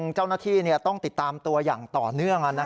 เจ้าหน้าที่ต้องติดตามตัวอย่างต่อเนื่อง